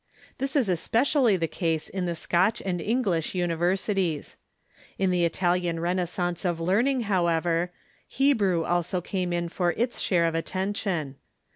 This is especially the case in the Scotch and English universities. In the Italian renais sance of learning, however, Hebrew also came in for its share of attention.